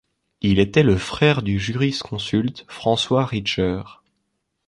Il était le frère du jurisconsulte François Richer.